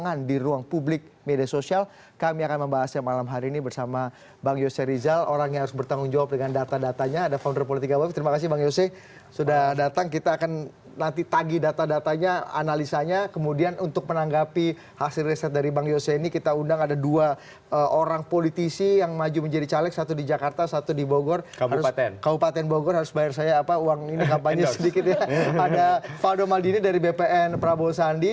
ada fado maldini dari bpn prabowo sandi